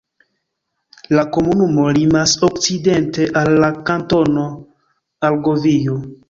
La komunumo limas okcidente al la Kantono Argovio.